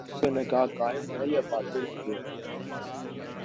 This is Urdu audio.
ان کا نکاح قائم ہے یا باطل ہو گیا ہے؟